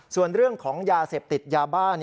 ส่วนเรื่องของยาเสพติดยาบ้า